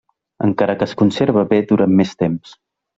Encara que es conserva bé durant més temps.